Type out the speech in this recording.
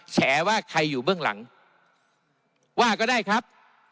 แฉว่าใครอยู่เบื้องหลังว่าก็ได้ครับ